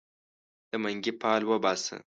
د منګې فال وباسه